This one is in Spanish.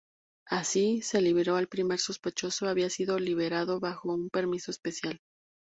Así, se liberó al primer sospechoso había sido liberado bajo un permiso especial.